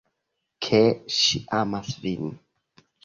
Ke ŝi amas vin.